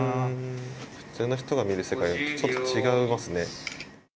普通の人が見る世界とちょっと違いますね。